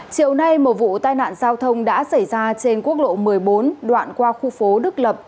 chiều nay một vụ tai nạn giao thông đã xảy ra trên quốc lộ một mươi bốn đoạn qua khu phố đức lập